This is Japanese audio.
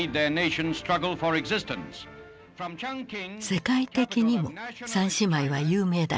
世界的にも三姉妹は有名だった。